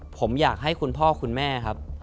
ผมอยากให้คุณพ่อคุณแม่ครับ